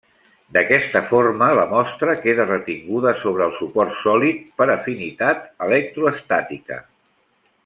D'aquesta forma, la mostra queda retinguda sobre el suport sòlid per afinitat electroestàtica.